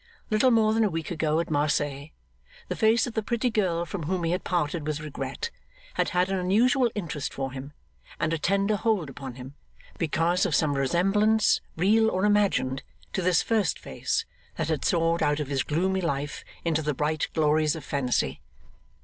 Little more than a week ago at Marseilles, the face of the pretty girl from whom he had parted with regret, had had an unusual interest for him, and a tender hold upon him, because of some resemblance, real or imagined, to this first face that had soared out of his gloomy life into the bright glories of fancy.